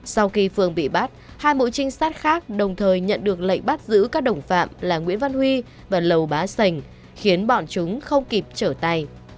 sau khi phương bị bắt hai mũi trinh sát khác đồng thời nhận được lệnh bắt giữ các đồng phạm là nguyễn văn huy và lầu bá sành khiến bọn chúng không kịp trở tay